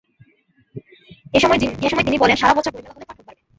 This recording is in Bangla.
এ সময় তিনি বলেন, সারা বছর বইমেলা হলে পাঠক বাড়বে।